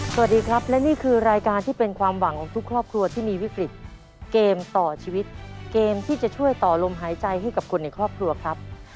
สวัสดีครับและนี่คือรายการที่เป็นความหวังของทุกครอบครัวที่มีวิกฤตเกมต่อชีวิตเกมที่จะช่วยต่อลมหายใจให้กับคนในครอบครัวครับ